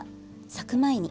咲く前に。